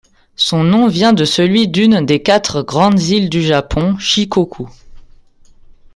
Son nom vient de celui d'une des quatre grandes îles du Japon, Shikoku.